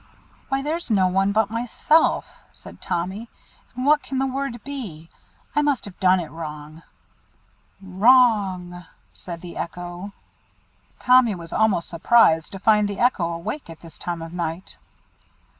"Why, there's no one but myself!" said Tommy. "And what can the word be? I must have done it wrong." "Wrong!" said the Echo. Tommy was almost surprised to find the echo awake at this time of night.